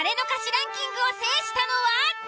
ランキングを制したのは。